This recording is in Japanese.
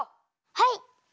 はい！